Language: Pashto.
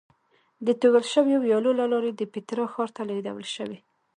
د توږل شویو ویالو له لارې به د پیترا ښار ته لېږدول شوې.